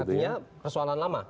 artinya persoalan lama